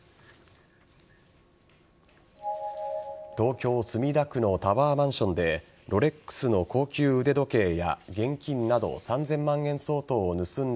東京・墨田区のタワーマンションでロレックスの高級腕時計や現金など３０００万円相当を盗んだ